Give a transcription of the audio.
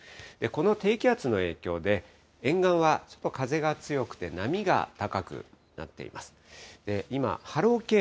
この低気圧の影響で、沿岸はちょっと風が強くて、波が高くなっています。